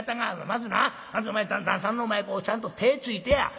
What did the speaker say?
まずなまずお前旦さんの前ちゃんと手ぇついてや。